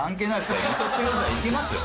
いきますよ。